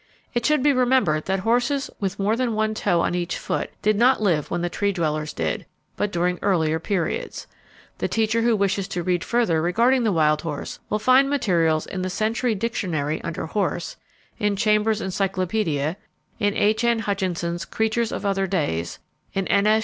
It should be remembered that horses with more than one toe on each foot did not live when the Tree dwellers did, but during earlier periods. The teacher who wishes to read further regarding the wild horse will find materials in the Century Dictionary under horse, in Chambers' Encyclopedia, in H. N. Hutchinson's Creatures of Other Days, in N. S.